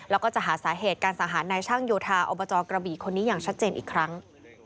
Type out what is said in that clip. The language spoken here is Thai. แล้วก็จะหาสาเหตุการสังหารนายช่างโยธาอบจกระบี่คนนี้อย่างชัดเจนอีกครั้ง